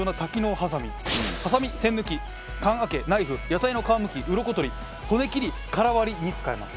はさみ、栓抜き、缶開けナイフ、野菜の皮むきうろこ取り、骨切り殻割りに使えます。